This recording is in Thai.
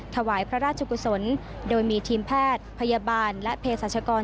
ถวายพระราชกุศลโดยมีทีมแพทย์พยาบาลและเพศรัชกร